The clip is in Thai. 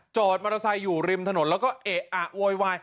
จอดมัตรศัยอยู่ริมถนนแล้วก็เอ๋อ้ะโวยวาย